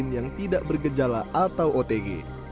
yang tidak bergejala atau otg